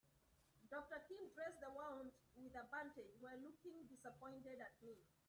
Doctor Kim dressed the wound with a bandage while looking disappointed at me.